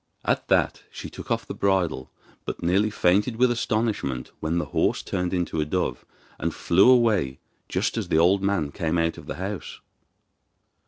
At that she took off the bridle; but nearly fainted with astonishment when the horse turned into a dove and flew away just as the old man came out of the house.